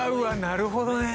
なるほどね